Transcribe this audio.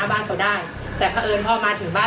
สวัสดีครับทุกคน